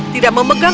tidak memegang tangan